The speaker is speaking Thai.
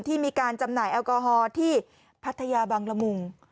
ที่มีการจำหน่ายแอลกอฮอล์ที่พัทยาบังละมุง